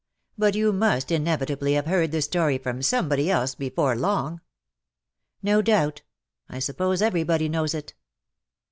But you must inevitably have heard the story from somebody else before long/^ No doubt. I suppose everybody knows it.